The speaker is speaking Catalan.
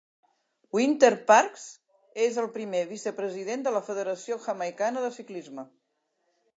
Wynter-Parks és el primer vicepresident de la Federació Jamaicana de Ciclisme.